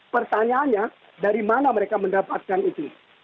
pertanyaannya dari mana mereka mendapatkan itu